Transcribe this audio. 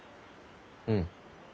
うん。